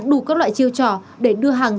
đủ các loại chiêu trò để đưa hàng